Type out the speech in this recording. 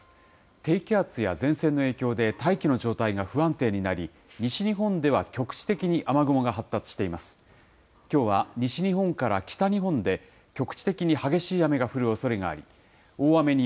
低気圧や前線の影響で、大気の状態が不安定になり、西日本では局地的には雨雲が発達しています。